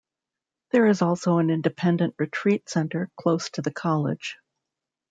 There is also an independent retreat centre close to the college.